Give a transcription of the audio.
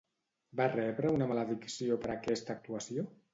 Va rebre una maledicció per aquesta actuació?